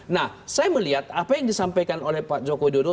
nah saya melihat apa yang disampaikan oleh pak joko widodo